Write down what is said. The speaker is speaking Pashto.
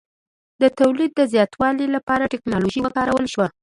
د تولید د زیاتوالي لپاره ټکنالوژي وکارول شوه.